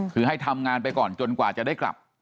คือให้ทำงานไปก่อนจนกว่าจะได้กลับ